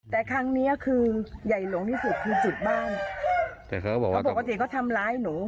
แต่ครั้งเนี้ยคือใหญ่หลงที่สุดคือจุดบ้านแต่เขาบอกว่าปกติเขาทำร้ายหนู